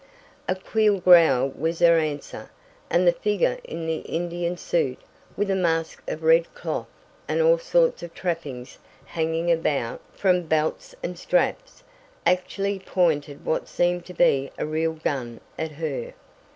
A queer growl was her answer, and the figure in the Indian suit, with a mask of red cloth, and all sorts of trappings hanging about from belts and straps, actually pointed what seemed to be a real gun at her.